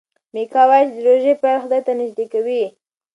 میکا وايي چې د روژې پیل خدای ته نژدې کوي.